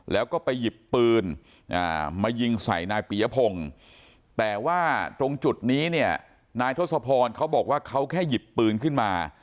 แล้วก็ไปหยิบปืนมายิงใส่นายปียพงศ์แต่ว่าตรงจุดนี้เนี่ยนายทศพรเขาบอกว่าเขาแค่หยิบปืนขึ้นมา